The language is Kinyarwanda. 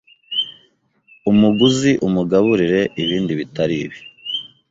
umuguzi umugaburire ibindi bitari ibi